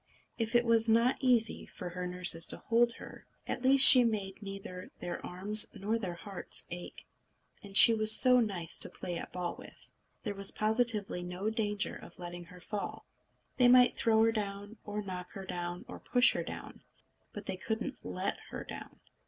If it was not easy for her nurses to hold her, at least she made neither their arms nor their hearts ache. And she was so nice to play at ball with! There was positively no danger of letting her fall. They might throw her down, or knock her down, or push her down, but they couldn't let her down.